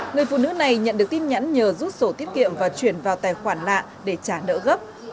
người phụ nữ này nhận được tin nhắn nhờ rút sổ tiết kiệm và chuyển vào tài khoản lạ để trả nỡ gấp